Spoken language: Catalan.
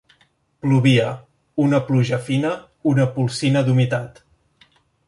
Plovia: una pluja fina, una polsina d'humitat